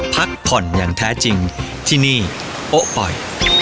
พักผ่อนอย่างแท้จริงที่นี่โป๊ะปล่อย